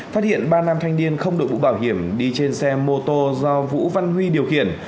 phát hiện ba nam thanh niên không đội mũ bảo hiểm đi trên xe mô tô do vũ văn huy điều khiển